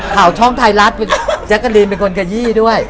ข่าวช่องไทยรัฐแจ๊กกระลินเป็นคนกระยี่ด้วย